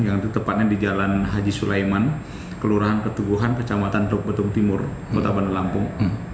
yang tepatnya di jalan haji sulaiman kelurahan ketuguhan kecamatan truk betung timur kota bandar lampung